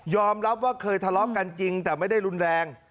รับว่าเคยทะเลาะกันจริงแต่ไม่ได้รุนแรง